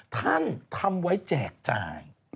ท่านทำไว้แจกจ่าย